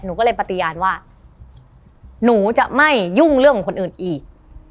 หนูก็เลยปฏิญาณว่าหนูจะไม่ยุ่งเรื่องของคนอื่นอีก